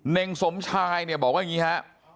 เน่งสมชายบอกว่าง่างงี้ฮะ